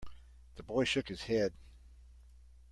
The boy shook his head.